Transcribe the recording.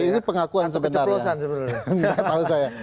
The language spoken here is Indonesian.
nah ini pengakuan sebenarnya